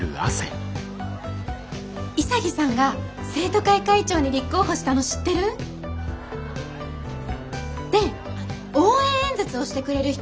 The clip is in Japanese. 潔さんが生徒会会長に立候補したの知ってる？で応援演説をしてくれる人を探してて。